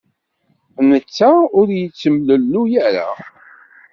Netta ur yettemlelluy ara.